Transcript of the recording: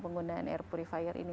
penggunaan air purifier ini